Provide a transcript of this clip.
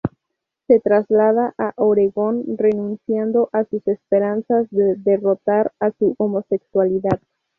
Se traslada a Oregón renunciando a sus esperanzas de derrotar a su homosexualidad.